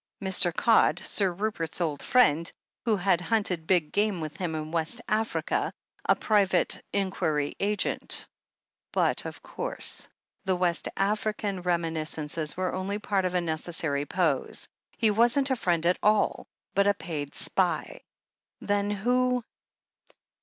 ... Mr. Codd, Sir Rupert's old friend, who had hunted big game with him in West Africa, a private inquiry agent But, of course, the West African reminis cences were only part of a necessary pose — ^he wasn't a friend at all, but a paid spy. Then who